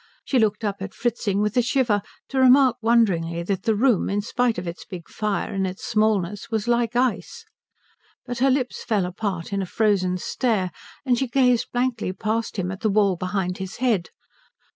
She looked up at Fritzing with a shiver to remark wonderingly that the room, in spite of its big fire and its smallness, was like ice, but her lips fell apart in a frozen stare and she gazed blankly past him at the wall behind his head.